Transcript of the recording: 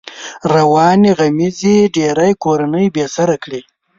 روانې غمېزې ډېری کورنۍ بې سره کړې.